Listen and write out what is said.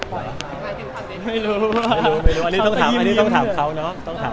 ไม่รู้อันนี้ต้องถามเขาเนอะ